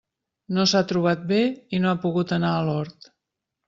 No s'ha trobat bé i no ha pogut anar a l'hort.